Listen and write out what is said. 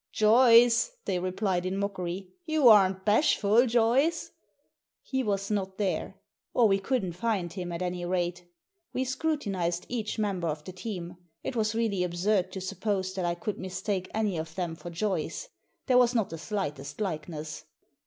" Joyce !" they replied, in mockery. " You aren't bashful, Joyce ?" He was not there. Or we couldn't find him, at any rate. We scrutinised each member of the team ; it was really absurd to suppose that I could mistake any of them for Joyce. There was not the slightest likeness.